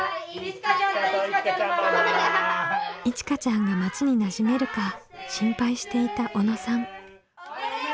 いちかちゃんが町になじめるか心配していた小野さん。